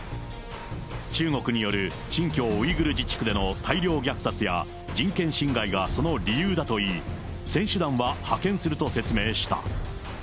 中国による新疆ウイグル自治区での大量虐殺や人権侵害がその理由だといい、選手団は派遣すると説明した。